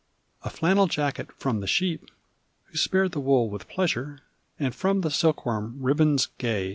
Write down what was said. A flannel jacket from the sheep Who spared the wool with pleasure: And from the silkworm ribbons gay.